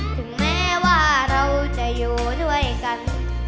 ถึงแม้ว่าเราจะอยู่ด้วยกัน